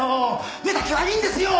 目だけはいいんですよ。